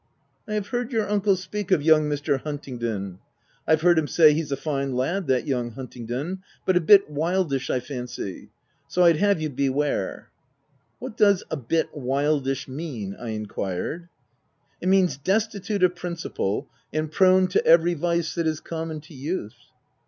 " I have heard your uncle speak of young Mr. Huntingdon. I've heard him say, ' He's a fine lad, that young Huntingdon, but a bit wildish I fancy.' So I'd have you beware." " What does c sl bit wildish' mean ?" I en quired. '* It means destitute of principle, and prone to every vice that is common to youth."